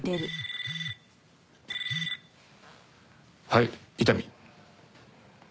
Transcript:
はい伊丹。